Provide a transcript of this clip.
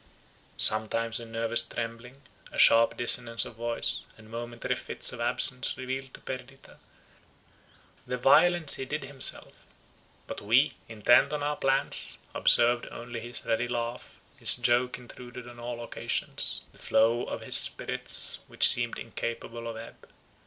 Sometimes a nervous trembling, a sharp dissonance of voice, and momentary fits of absence revealed to Perdita the violence he did himself; but we, intent on our plans, observed only his ready laugh, his joke intruded on all occasions, the flow of his spirits which seemed incapable of ebb.